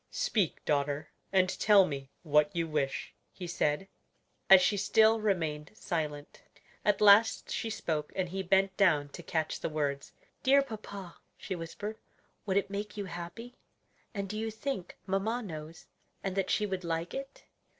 "Speak, daughter, and tell me what you wish," he said, as she still remained silent. At last she spoke, and he bent down to catch the words. "Dear papa," she whispered, "would it make you happy? and do you think mamma knows, and that she would like it?"